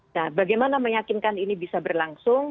nah bagaimana meyakinkan ini bisa berlangsung